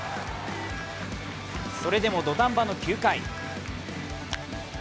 それでも土壇場の９回。